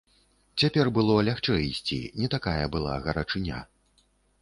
Цяпер было лягчэй ісці, не такая была гарачыня.